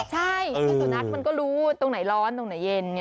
ใช่คือสุนัขมันก็รู้ตรงไหนร้อนตรงไหนเย็น